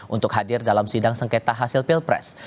untuk hadir dalam sidang sengketa hasil pilpres